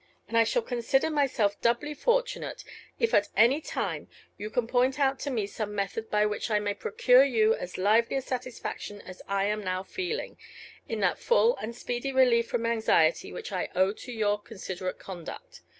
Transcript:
And I shall consider myself doubly fortunate if at any time you can point out to me some method by which I may procure you as lively a satisfaction as I am now feeling, in that full and speedy relief from anxiety which I owe to your considerate conduct.